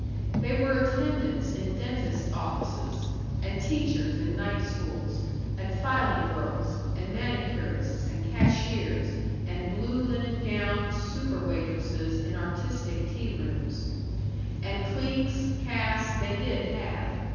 They were attendants in dentists' offices and teachers in night schools and filing girls and manicurists and cashiers and blue linen gowned super waitresses in artistic tea rooms. And cliques, caste, they did have.